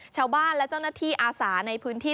ชาวบ้านและเจ้าหน้าที่อาสาในพื้นที่